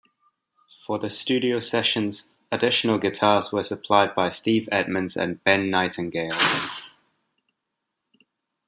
For the studio sessions additional guitars were supplied by Steve Edmonds and Ben Nightingale.